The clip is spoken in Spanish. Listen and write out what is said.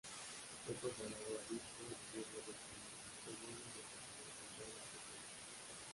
Fue consagrado obispo en noviembre de ese año, de manos del cardenal Santiago Copello.